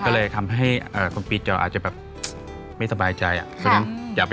เราไม่ใช่ที่ค้าพูดสัยอย่างก็จบ